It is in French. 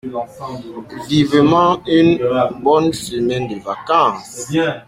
Vivement une bonne semaine de vacances!